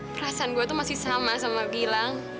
perasaan gue tuh masih sama sama gilang